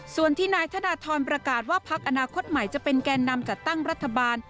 ส่วนที่นายธนทรประกาศว่าพักอนาคตใหม่จะเป็นแก่นำจัดตั้งรัฐบาล